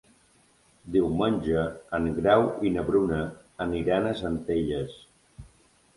Diumenge en Grau i na Bruna aniran a Centelles.